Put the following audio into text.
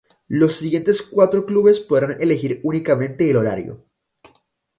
Los siguientes cuatro Clubes podrán elegir únicamente el horario.